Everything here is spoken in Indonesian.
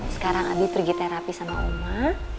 sekarang adi pergi terapi sama oma